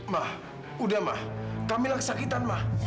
mah udah mah kamila kesakitan mah